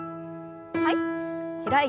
はい。